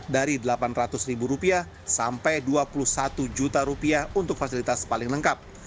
dari rp delapan ratus sampai rp dua puluh satu untuk fasilitas paling lengkap